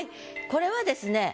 これはですね